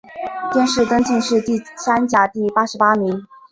殿试登进士第三甲第八十八名。